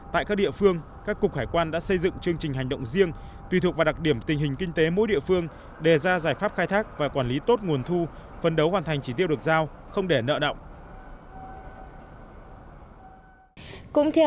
tại các địa phương các cục hải quan đã xây dựng chương trình hành động riêng tùy thuộc vào đặc điểm tình hình kinh tế mỗi địa phương đề ra giải pháp khai thác và quản lý tốt nguồn thu phân đấu hoàn thành chỉ tiêu được giao không để nợ động